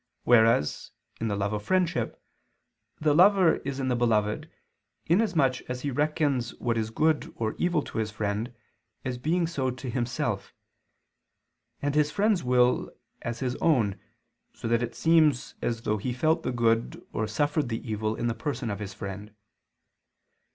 Whereas, in the love of friendship, the lover is in the beloved, inasmuch as he reckons what is good or evil to his friend, as being so to himself; and his friend's will as his own, so that it seems as though he felt the good or suffered the evil in the person of his friend.